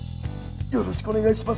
よろしくお願いします。